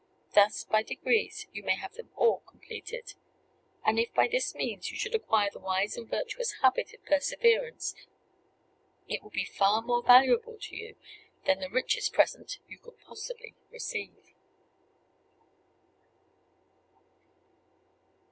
Thus, by degrees, you may have them all completed; and if by this means you should acquire the wise and virtuous habit of perseverance, it will be far more valuable to you than the richest present you could possibly receive."